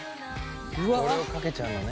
これをかけちゃうのね。